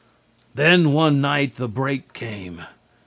"Then, one night, the break came.